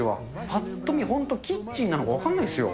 ぱっと見、本当にキッチンなのか分からないですよ。